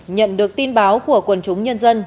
nhận được tin báo của quần chúng nhân dân